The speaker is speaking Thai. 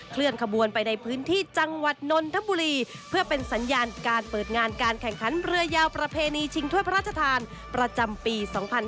เคลื่อนขบวนไปในพื้นที่จังหวัดนนทบุรีเพื่อเป็นสัญญาณการเปิดงานการแข่งขันเรือยาวประเพณีชิงถ้วยพระราชทานประจำปี๒๕๕๙